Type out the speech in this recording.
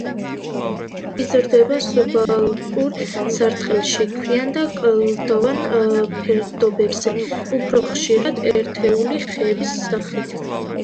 იზრდება სუბალპურ სარტყელში ქვიან და კლდოვან ფერდობებზე, უფრო ხშირად ერთეული ხეების სახით.